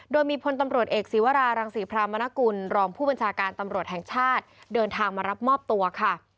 โดยมีพลตำรวจเอกศีวรารังศรีพรามนกุลรองผู้บัญชาการตำรวจแห่งชาติเดินทางมารับมอบตัวค่ะ